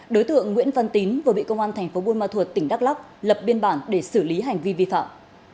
đối tượng nguyễn văn tín vừa bị công an thành phố buôn ma thuột tỉnh đắk lắk lập biên bản để xử lý hành vi vi phạm